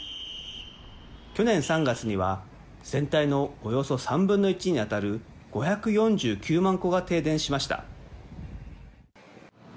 去年３月には、全体のおよそ３分の１に当たる５４９万戸が停電しました。